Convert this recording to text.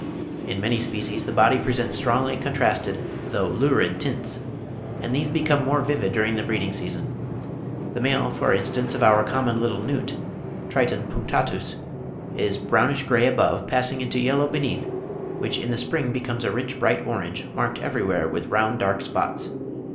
In many species the body presents strongly contrasted, though lurid tints, and these become more vivid during the breeding season. The male, for instance, of our common little newt (Triton punctatus) is "brownish grey above, passing into yellow beneath, which in the spring becomes a rich bright orange, marked everywhere with round dark spots."